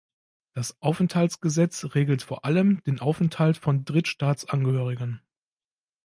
Das Aufenthaltsgesetz regelt vor allem den Aufenthalt von Drittstaatsangehörigen.